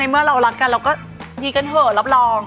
เมื่อเรารักกันเราก็ดีกันเถอะรับรอง